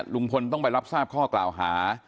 ลุงพลต้องไปรับทราบข้อกล่าวหา